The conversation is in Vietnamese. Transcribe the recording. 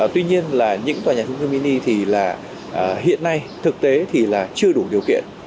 tuy nhiên là những tòa nhà trung cư mini thì là hiện nay thực tế thì là chưa đủ điều kiện